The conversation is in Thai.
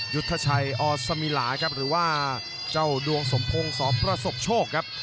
ยุทธชัยอสมิลาครับหรือว่าเจ้าดวงสมพงศ์สอประสบโชคครับ